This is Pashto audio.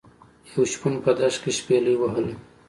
یو شپون په دښته کې شپيلۍ وهله.